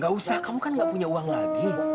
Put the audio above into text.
gak usah kamu kan gak punya uang lagi